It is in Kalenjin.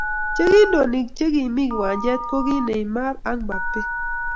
Che kindonik che kimii kiwanchet ko kii Neymar ak Mbappe.